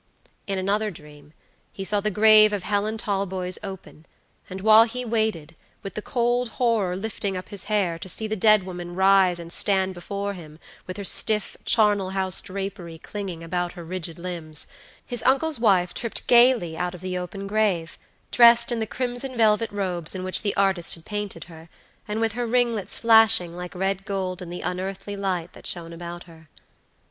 In another dream he saw the grave of Helen Talboys open, and while he waited, with the cold horror lifting up his hair, to see the dead woman rise and stand before him with her stiff, charnel house drapery clinging about her rigid limbs, his uncle's wife tripped gaily out of the open grave, dressed in the crimson velvet robes in which the artist had painted her, and with her ringlets flashing like red gold in the unearthly light that shone about her.